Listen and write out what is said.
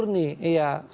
kita harus menunggu